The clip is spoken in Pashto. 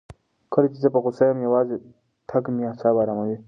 کله چې زه په غوسه یم، یوازې تګ مې اعصاب اراموي.